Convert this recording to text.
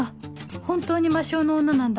本当に魔性の女なんだ